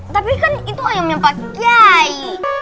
tapi kan itu ayamnya pak jai